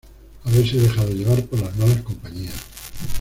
haberse dejado llevar por las malas compañías